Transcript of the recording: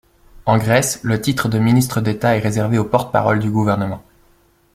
En Grèce, le titre de ministre d'État est réservé au porte-parole du gouvernement.